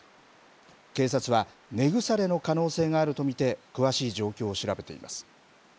警察は、根腐れの可能性があると見て、詳しい状況を調べています。